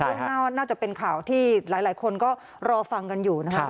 น่าจะเป็นข่าวที่หลายคนก็รอฟังกันอยู่นะครับ